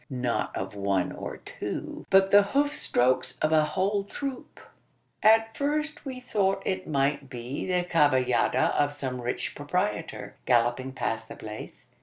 Not of one or two; but the hoof strokes of a whole troop. At first we thought it might be the cavallada of some rich proprietor, galloping past the place.